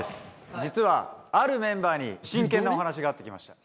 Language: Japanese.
実はあるメンバーに、真剣なお話があって来ました。